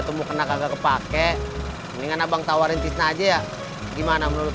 temukan agak kepake mendingan abang tawarin tisna aja ya gimana menurut